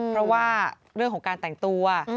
เพราะว่าการแต่งตัว